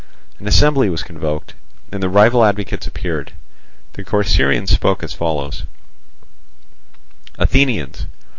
An assembly was convoked, and the rival advocates appeared: the Corcyraeans spoke as follows: "Athenians!